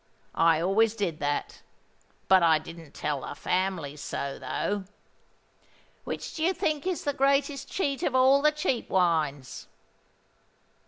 I always did that—but I didn't tell the families so, though! Which do you think is the greatest cheat of all the cheap wines?